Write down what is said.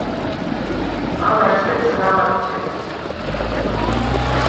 ალა ესერ სგავ ადჭებდეხ.